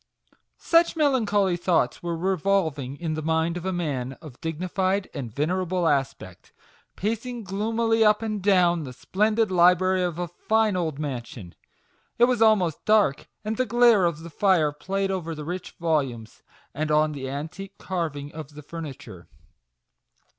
Such melancholy thoughts were revolving in the mind of a man of dignified and venerable aspect, pacing gloomily up an(J down the splen did library of a fine old mansion. It was almost dark, and the glare of the fire played over the MAGIC WORDS. 33 rich volumes, and on the antique carving of the furniture.